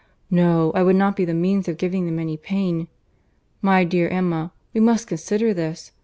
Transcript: No, I would not be the means of giving them any pain. My dear Emma, we must consider this.